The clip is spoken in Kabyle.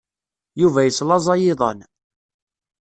Yuba yeslaẓay iḍan.